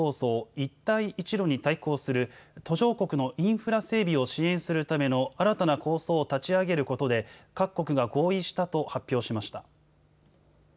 「一帯一路」に対抗する途上国のインフラ整備を支援するための新たな構想を立ち上げることで各国が合意したと発表しました。